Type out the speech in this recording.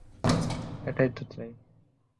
এটাই তো চাই!